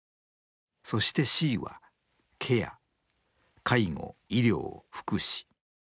そして「Ｃ」はケア介護・医療・福祉。